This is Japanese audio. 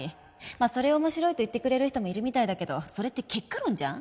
それを面白いと言ってくれる人もいるみたいだけどそれって結果論じゃん？